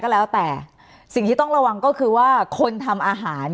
แล้วแต่สิ่งที่ต้องระวังก็คือว่าคนทำอาหาร